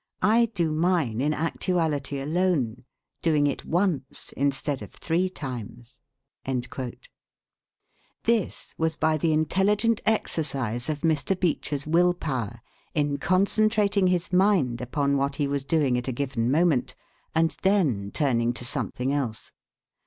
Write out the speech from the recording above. I do mine in actuality alone, doing it once instead of three times." This was by the intelligent exercise of Mr. Beecher's will power in concentrating his mind upon what he was doing at a given moment, and then turning to something else.